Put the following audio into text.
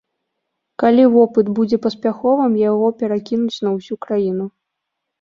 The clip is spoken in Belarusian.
Калі вопыт будзе паспяховым, яго перакінуць на ўсю краіну.